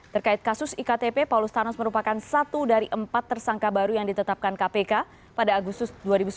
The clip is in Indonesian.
terkait kasus iktp paulus thanos merupakan satu dari empat tersangka baru yang ditetapkan kpk pada agustus dua ribu sembilan belas